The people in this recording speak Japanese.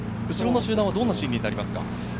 後ろの集団はどんな心理になりますか？